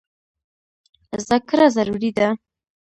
زده کړه ضروري ده.